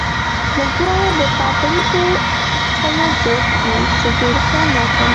موږ دواړه د کاپري په څښلو بوخت یو، چې ډېر خوند راکوي.